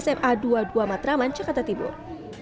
sma dua puluh dua matraman jakarta timur